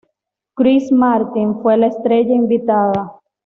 Chris Martin fue la estrella invitada.